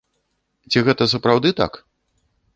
Ці гэта сапраўды так?